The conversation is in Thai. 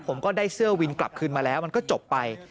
ผมก็ได้เสื้อวินกลับคืนมาแล้วมันก็จบไป